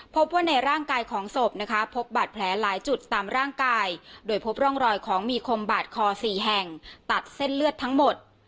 พบว่าในร่างกายของศพนะคะพบบาดแผลหลายจุดตามร่างกายโดยพบร่องรอยของมีคมบาดคอ๔แห่งตัดเส้นเลือดทั้งหมด